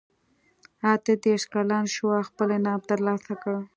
اته دېرش کلن شواب خپل انعام ترلاسه کړ